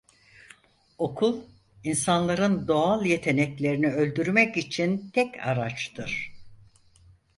Okul insanların doğal yeteneklerini öldürmek için tek araçtır…